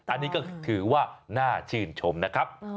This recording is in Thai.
อันนี้ก็ถือว่าน่าชื่นชมนะครับ